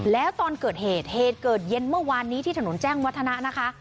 แล้วตอนเกิดเหตุเหตุเกิดเย็นเมื่อวานนี้ที่ถนนแจ้งวัฒนะนะคะ